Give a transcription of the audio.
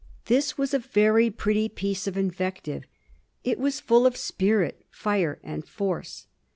This was a very pretty piece of invective. It was full of spirit, fire, and force.